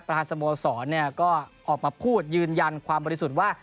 สโมสรก็ออกมาพูดยืนยันความบริสุทธิ์ว่า